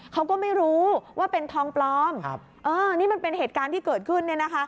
เขาก็ไม่รู้ว่าเป็นทองปลอมนี่มันเป็นเหตุการณ์ที่เกิดขึ้นเนี่ยนะคะ